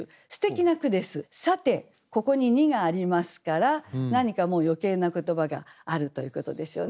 さてここに「に」がありますから何かもう余計な言葉があるということですよね。